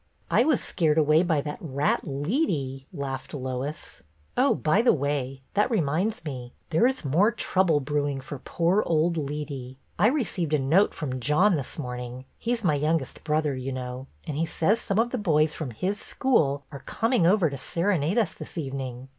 " I was scared away by that rat Leetey," laughed Lois. " Oh, by the way, that reminds me. There is more trouble brewing for poor old Leetey. I received a note from John this morning (he's my youngest brother, you know), and he says some of the boys from his school are coming over to serenade us this evening.